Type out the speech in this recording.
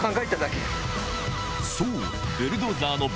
そう！